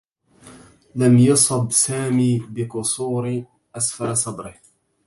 لم يصب سامي بكسور أسفل صدره.